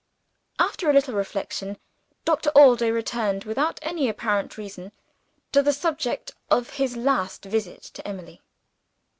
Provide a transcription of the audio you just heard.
After a little reflection, Doctor Allday returned, without any apparent reason, to the subject of his last visit to Emily.